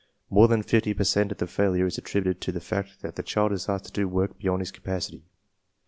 More than 50 per cent of the failure is attributed to the fact that the child is asked to do work beyond his capacity.